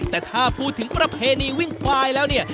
แต่ถ้าพูดถึงประเพณีวิ่งควายแล้วเนี่ย